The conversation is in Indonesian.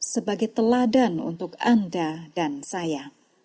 sebagai teladan untuk anda dan saya